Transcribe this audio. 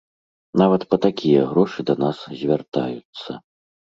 Нават па такія грошы да нас звяртаюцца.